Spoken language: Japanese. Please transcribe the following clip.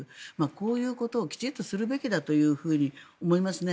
こういうことをきちんとするべきだと思いますね。